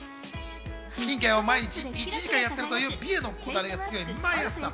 スキンケアを毎日１時間やっているという美へのこだわりが強いＭＡＹＡさん。